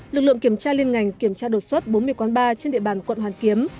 lực lượng kiểm tra liên ngành kiểm tra đột xuất bốn mươi quán bar trên địa bàn quận hoàn kiếm